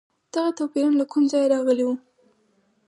دغه توپیرونه له کوم ځایه راغلي وو؟